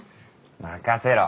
任せろ。